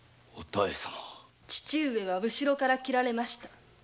父上は後ろから切られました。